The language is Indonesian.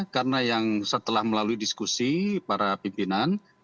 karena setelah melalui diskusi para pimpinan